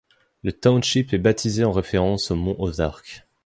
Le township est baptisé en référence aux monts Ozarks.